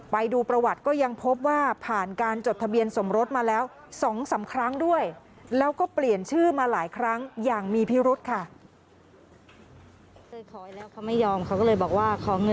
ไปดูประวัติก็ยังพบว่าผ่านการจดทะเบียนสมรสมาแล้ว๒๓ครั้งด้วยแล้วก็เปลี่ยนชื่อมาหลายครั้งอย่างมีพิรุธค่ะ